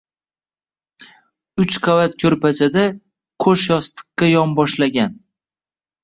Uch qavat ko‘rpachada qo‘shyostiqqa yonboshlagan